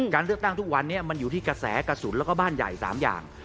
การเลือกตั้งทุกวันนี้มันอยู่ที่กระแสกระสุนแล้วก็บ้านใหญ่๓อย่าง